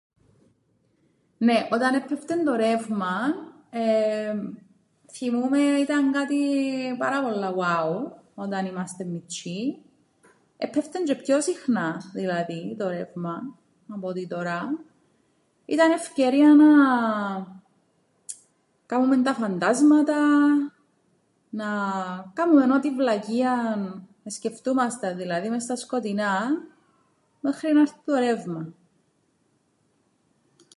Νναι, όταν έππεφτεν το ρεύμαν, θθυμούμαι ήταν κάτι πάρα πολλά γοάου όταν ήμαστεν μιτσ̆ιοί. Έππεφτεν τζ̆αι πιο συχνά δηλαδή το ρεύμαν απ' ό,τι τωρά, ήταν ευκαιρία να κάμουμεν τα φαντάσματα, να κάμουμε ό,τι βλακείαν εσκεφτούμασταν δηλαδή μες στα σκοτεινά, μέχρι να 'ρτει το ρε΄υμαν.